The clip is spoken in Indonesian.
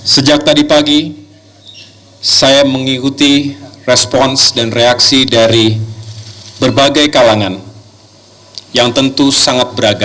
sejak tadi pagi saya mengikuti respons dan reaksi dari berbagai kalangan yang tentu sangat beragam